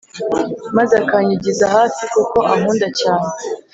maze akanyigiza hafi kuko ankunda cyane.